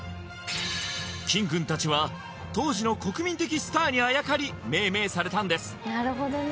キンくんたちは当時の国民的スターにあやかり命名されたんです